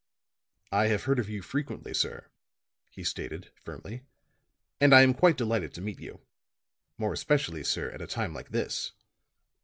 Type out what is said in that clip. "I have heard of you frequently, sir," he stated, firmly, "and I am quite delighted to meet you. More especially, sir, at a time like this."